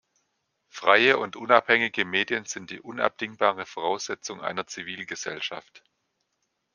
Freie und unabhängige Medien sind die unabdingbare Voraussetzung einer Zivilgesellschaft.